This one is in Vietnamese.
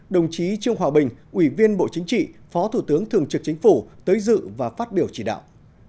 đồng chí trương hòa bình ủy viên bộ chính trị phó thủ tướng thường trực chính phủ tới dự và phát biểu chỉ đạo